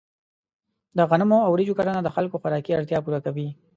د غنمو او وریجو کرنه د خلکو خوراکي اړتیا پوره کوي.